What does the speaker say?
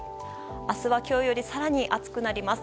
明日は今日よりも更に暑くなります。